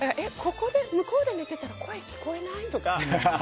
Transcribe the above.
だから、向こうで寝ていたら声聞こえない？とか。